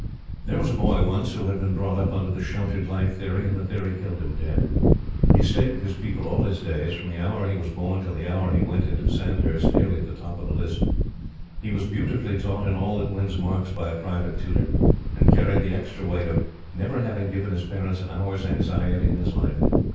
There was a Boy once who had been brought up under the "sheltered life" theory; and the theory killed him dead. He stayed with his people all his days, from the hour he was born till the hour he went into Sandhurst nearly at the top of the list. He was beautifully taught in all that wins marks by a private tutor, and carried the extra weight of "never having given his parents an hour's anxiety in his life."